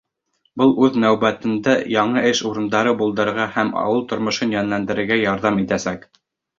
Был үҙ нәүбәтендә яңы эш урындары булдырырға һәм ауыл тормошон йәнләндерергә ярҙам итәсәк.